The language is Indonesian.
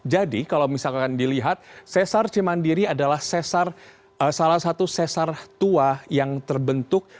jadi kalau misalkan dilihat sesar cimandiri adalah salah satu sesar tua yang terbentuk